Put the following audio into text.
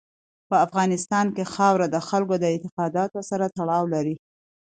په افغانستان کې خاوره د خلکو د اعتقاداتو سره تړاو لري.